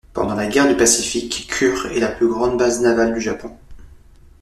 Pendant la guerre du Pacifique, Kure est la plus grande base navale du Japon.